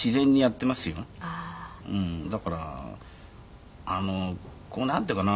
「うんだからあのこうなんていうかな」